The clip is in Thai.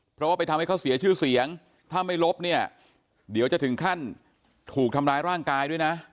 เพราะว่าไปทำให้เขาเสียชื่อเสียงถ้าไม่ลบเนี่ยเดี๋ยวจะถึงขั้นถูกทำร้ายร่างกายด้วยนะ